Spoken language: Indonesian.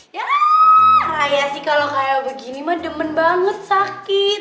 ya kaya sih kalau kayak begini mah demen banget sakit